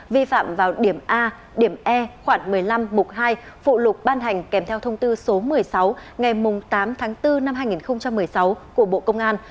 vi phạm vào điểm a điểm e khoảng một mươi năm mục hai phụ lục ban hành kèm theo thông tư số một mươi sáu ngày tám tháng bốn năm hai nghìn một mươi sáu của bộ công an